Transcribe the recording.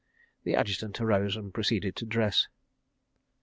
The Adjutant arose and proceeded to dress.